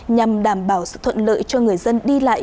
nhằm đảm bảo sự thuận lợi cho người dân đi lại